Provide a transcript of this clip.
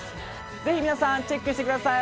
ぜひ皆さんチェックしてください